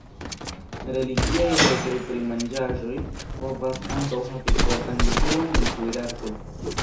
Religiaj leĝoj pri manĝaĵoj povas ankaŭ havi fortan influon en kuirarto.